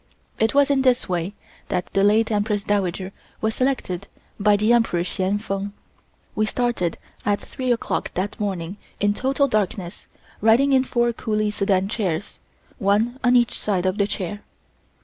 It was in this way that the late Empress Dowager was selected by the Emperor Hsien Feng. (comment: li is 1/3 mile or 1/2 km) We started at three o'clock that morning in total darkness riding in four coolie sedan chairs, one on each side of the chair.